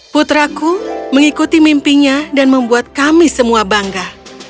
putraku mengikuti mimpinya dan membuat kami semua bangga